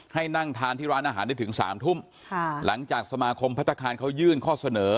ให้นั่งทานที่ร้านอาหารได้ถึงสามทุ่มค่ะหลังจากสมาคมพัฒนาคารเขายื่นข้อเสนอ